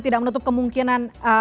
tidak menutup kemungkinan